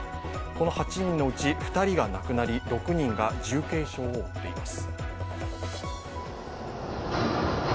この８人のうち２人が亡くなり６人が重軽傷を負っています。